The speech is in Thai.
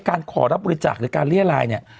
การขอรับบริจาคหรือการเรียรายสินะ